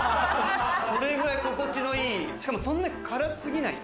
それくらい心地のいい。